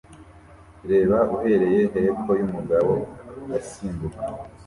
Reba uhereye hepfo yumugabo asimbuka